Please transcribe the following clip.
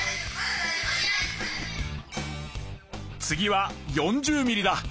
次は４０ミリだ。